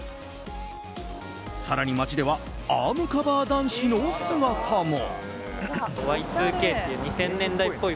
更に街ではアームカバー男子の姿も。